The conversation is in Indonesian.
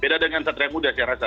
beda dengan satria muda saya rasa